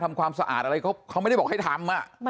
ความสะอาดอะไรเขาไม่ได้บอกให้ทำ